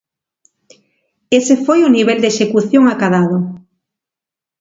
Ese foi o nivel de execución acadado.